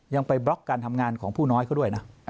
ยังไปบล็อกการทำงานของผู้น้อยเขาด้วยนะ